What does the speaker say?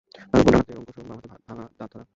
তার উপরের ডান হাতে অঙ্কুশ এবং বাম হাতে ভাঙা দাঁত ধরা।